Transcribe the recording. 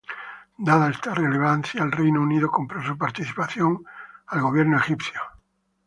Dada esta relevancia, el Reino Unido compró su participación al Gobierno egipcio.